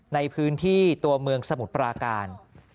ในพื้นที่ตัวเมืองสมุทรปราการ